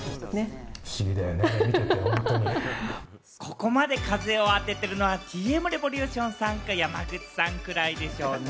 ここまで風を当ててるのはＴ．Ｍ．Ｒｅｖｏｌｕｔｉｏｎさんか、山口さんくらいでしょうね。